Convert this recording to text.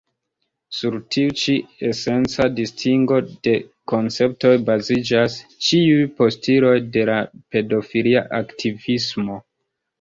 Sur tiu ĉi esenca distingo de konceptoj baziĝas ĉiuj postuloj de la pedofilia aktivismo.